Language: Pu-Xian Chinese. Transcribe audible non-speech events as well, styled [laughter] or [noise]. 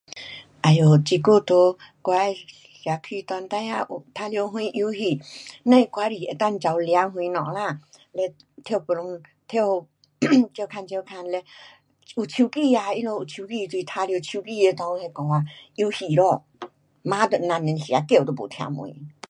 哎哟，这久在我的社区内，孩儿有玩耍什游戏，只是外里能够跑抓什么啦。嘞跳飞船，跳 [coughs] 各格各格，嘞有手机啊，他们有手机就玩耍手机那内那个游戏咯。饭都甭记吃。叫都没听见。